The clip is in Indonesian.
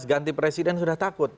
dari presiden sudah takut